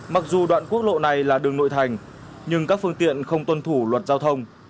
mặc dù đoạn quốc lộ này là đường nội thành nhưng các phương tiện không tuân thủ luật giao thông